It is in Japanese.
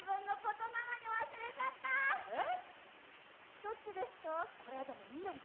どっちですか？